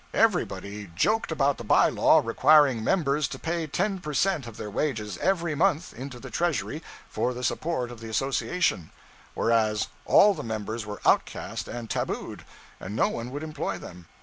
Everybody joked about the by law requiring members to pay ten per cent. of their wages, every month, into the treasury for the support of the association, whereas all the members were outcast and tabooed, and no one would employ them.